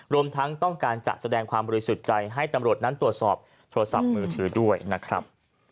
รวมทั้งต้องการจะแสดงความบริสุทธิ์ใจให้ตำรวจนั้นตรวจสอบโทรศัพท์มือถือด้วยนะครับ